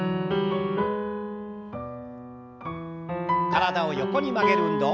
体を横に曲げる運動。